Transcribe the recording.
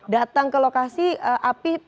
datang ke lokasi api